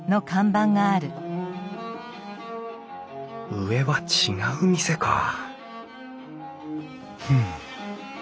上は違う店かふん。